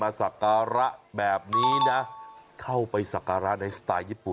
สักการะแบบนี้นะเข้าไปสักการะในสไตล์ญี่ปุ่น